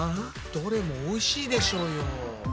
どれもおいしいでしょうよ。